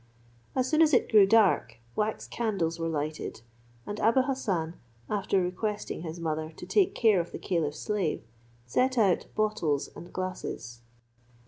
As soon as it grew dark, wax candles were lighted, and Abou Hassan, after requesting his mother to take care of the caliph's slave, set on bottles and glasses.